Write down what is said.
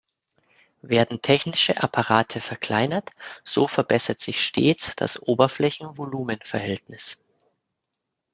Werden technische Apparate verkleinert, so verbessert sich stets das Oberflächen-Volumen-Verhältnis.